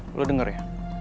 lu denger ya